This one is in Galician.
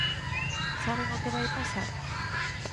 ¿Saben o que vai pasar?